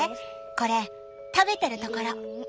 これ食べてるところ。